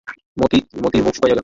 মতির মুখ শুকাইয়া গেল।